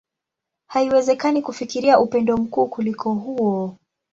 Haiwezekani kufikiria upendo mkuu kuliko huo.